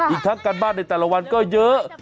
อีกทั้งการบ้านในแต่ละวันก็เยอะ